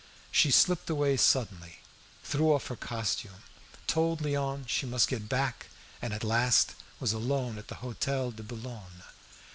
She slipped away suddenly, threw off her costume, told Léon she must get back, and at last was alone at the Hotel de Boulogne.